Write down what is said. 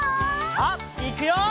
さあいくよ！